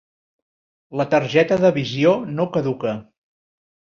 La targeta de visió no caduca.